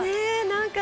なんか。